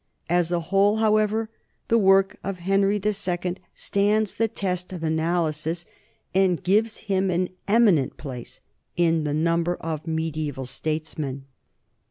As a whole, however, the work of Henry II stands the test of analysis and gives him an eminent place in the number of mediaeval statesmen.